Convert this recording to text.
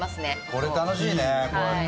これ楽しいねこうやって。